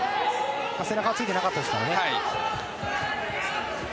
背中がついてなかったですからね。